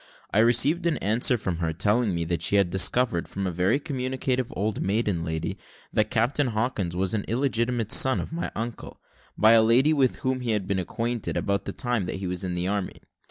I received an answer from her, telling me that she had discovered, from a very communicative old maiden lady, that Captain Hawkins was an illegitimate son of my uncle, by a lady with whom he had been acquainted, about the time that he was in the army.